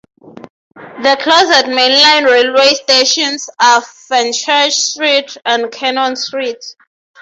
The closest main-line railway stations are Fenchurch Street and Cannon Street.